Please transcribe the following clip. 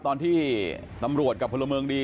ตอนที่ตำรวจกับพลเมืองดี